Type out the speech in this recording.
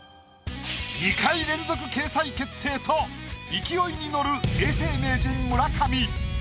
２回連続掲載決定と勢いに乗る永世名人村上。